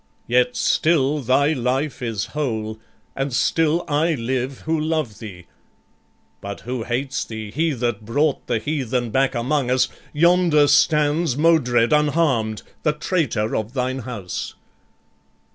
Yet still thy life is whole, and still I live Who love thee; but who hates thee, he that brought The heathen back among us, yonder stands, Modred, unharm'd, the traitor of thine house."